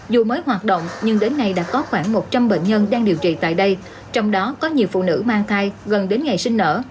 dù mới hoạt động nhưng đến nay đã có khoảng một trăm linh bệnh nhân đang điều trị tại đây trong đó có nhiều phụ nữ mang thai gần đến ngày sinh nở